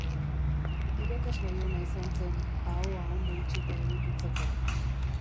Irakasgai ona izan zen, ahoa ondo itxita edukitzeko.